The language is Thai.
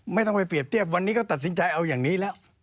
ไม่ต้องไปเปรียบเทียบวันนี้ก็ตัดสินใจเอาอย่างนี้แล้ว